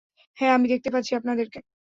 হ্যাঁ, আমি দেখতে পাচ্ছি আপনাদেরকে।